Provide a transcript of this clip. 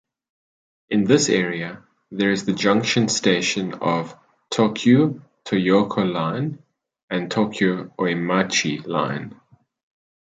In this area, there is the junction station of Tokyu Toyoko Line and Tokyu Oimachi Line.